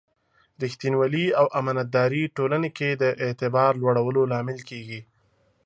ریښتینولي او امانتداري ټولنې کې د اعتبار لوړولو لامل کېږي.